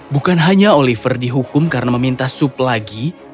bukan hanya oliver dihukum karena meminta sup lagi